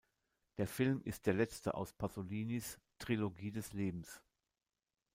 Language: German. Der Film ist der letzte aus Pasolinis "Trilogie des Lebens".